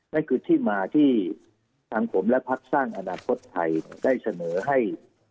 นั่นคือที่มาที่ทางผมและพักสร้างอนาคตไทยได้เสนอให้